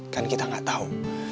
kan kita gak tau